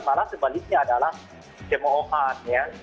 malah sebaliknya adalah cemohan ya